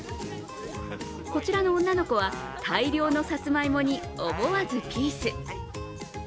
こちらの女の子は大量のさつまいもに思わずピース。